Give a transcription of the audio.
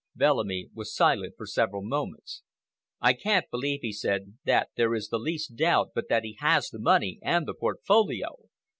Bellamy was silent for several moments. "I can't believe," he said, "that there is the least doubt but that he has the money and the portfolio.